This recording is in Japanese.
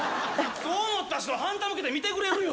そう思った人は反対向けて見てくれるよ！